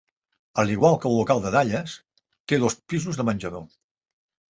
A l'igual que el local de Dallas, té dos pisos de menjador.